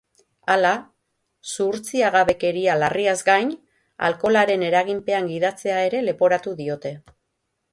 Hala, zuhurtziagabekeria larriaz gain, alkoholaren eraginpean gidatzea ere leporatu diote.